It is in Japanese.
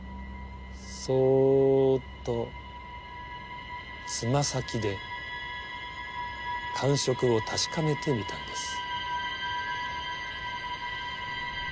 そっとつま先で感触を確かめてみたんです。